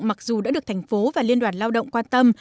mặc dù đã được thành phố và liên đoàn lao động quan tâm